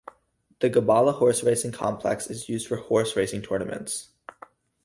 The Gabala Horse Racing Complex is used for horse-racing tournaments.